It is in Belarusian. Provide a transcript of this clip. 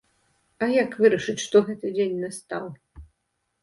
А, як вырашаць, што гэты дзень настаў!